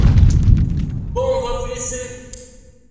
Bon, on va vous laisser...